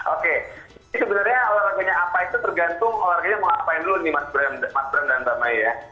oke sebenarnya olahraganya apa itu tergantung olahraganya mau ngapain dulu nih mas bram dan mbak mai ya